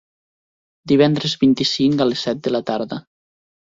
Divendres vint-i-cinc a les set de la tarda.